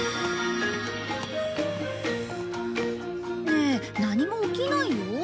ねえ何も起きないよ？